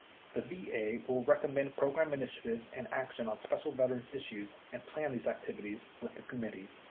58 The VA will recommend program initiatives and action on special veterans issues and plan these activities with the Committee.